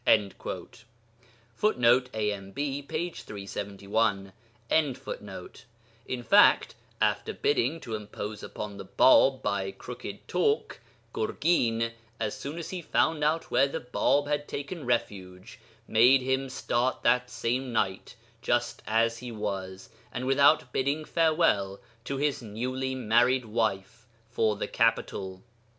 [Footnote: AMB, p. 371.] In fact, after trying to impose upon the Bāb by crooked talk, Gurgin, as soon as he found out where the Bāb had taken refuge, made him start that same night, just as he was, and without bidding farewell to his newly married wife, for the capital.